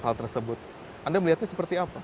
hal tersebut anda melihatnya seperti apa